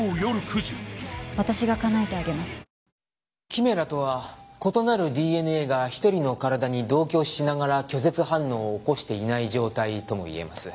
キメラとは異なるＤＮＡが１人の体に同居しながら拒絶反応を起こしていない状態とも言えます。